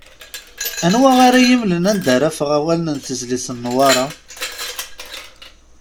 Anwa ara yi-mmlen anda ara afeɣ awalen n tezlit n Newwaṛa?